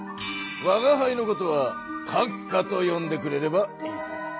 わがはいのことは「閣下」とよんでくれればいいぞ。